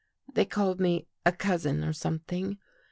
They called me a cousin or something.